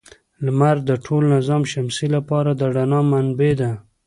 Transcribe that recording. لمر د ټول نظام شمسي لپاره د رڼا منبع ده.